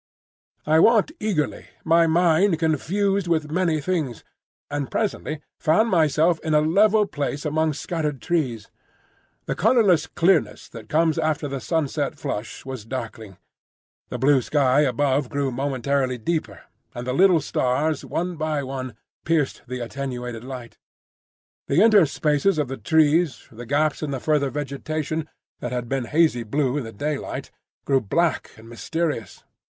I walked eagerly, my mind confused with many things, and presently found myself in a level place among scattered trees. The colourless clearness that comes after the sunset flush was darkling; the blue sky above grew momentarily deeper, and the little stars one by one pierced the attenuated light; the interspaces of the trees, the gaps in the further vegetation, that had been hazy blue in the daylight, grew black and mysterious.